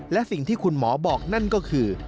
และสิ่งที่คุณหมอบอกนั่นก็คือ